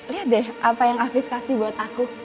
lihat deh apa yang afif kasih buat aku